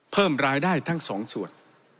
เพิ่มรายได้ทั้งสองส่วน